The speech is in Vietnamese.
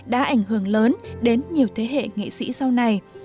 đã ảnh hưởng lớn đến nhiều thế hệ nghệ sĩ sau này